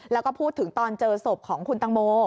แล้วก็พูดถึงตอนเจอศพของคุณตังโม